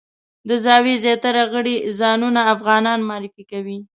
د زاویې زیاتره غړي ځانونه افغانان معرفي کوي.